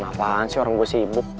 ngapain sih orang gue sibuk